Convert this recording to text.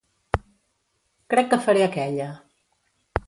Crec que faré aquella.